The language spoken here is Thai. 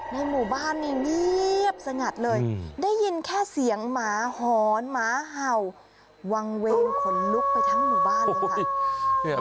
ในหมู่บ้านนี่เงียบสงัดเลยได้ยินแค่เสียงหมาหอนหมาเห่าวางเวงขนลุกไปทั้งหมู่บ้านเลยค่ะ